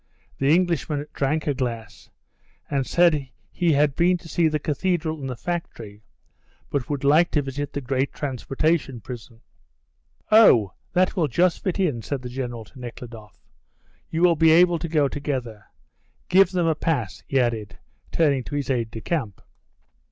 The Englishman drank a glass, and said he had been to see the cathedral and the factory, but would like to visit the great transportation prison. "Oh, that will just fit in," said the General to Nekhludoff. "You will be able to go together. Give them a pass," he added, turning to his aide de camp.